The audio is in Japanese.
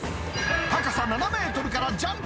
高さ７メートルからジャンプ。